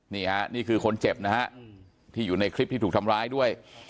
นี่ค่ะนี่คือคนเจ็บนะฮะที่อยู่ในคลิปที่ถูกทำร้ายด้วย